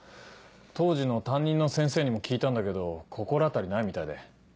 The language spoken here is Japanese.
当時の担任の先生にも聞いたんだけど心当たりないみたいで。